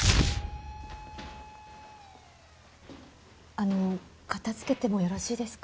あの片付けてもよろしいですか？